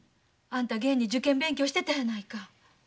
あんた現に受験勉強してたやないか。